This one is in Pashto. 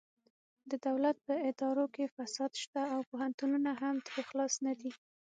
د دولت په ادارو کې فساد شته او پوهنتونونه هم ترې خلاص نه دي